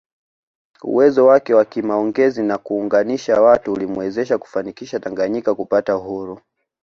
Uwezo wake wa kimaongezi na kuunganisha watu ulimwezesha kufanikisha Tanganyika kupata uhuru